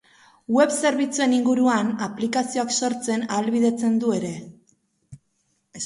Web zerbitzuen inguruan aplikazioak sortzen ahalbidetzen du ere.